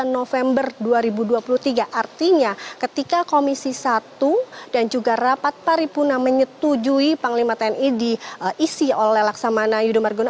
dua puluh november dua ribu dua puluh tiga artinya ketika komisi satu dan juga rapat paripuna menyetujui panglima tni diisi oleh laksamana yudho margono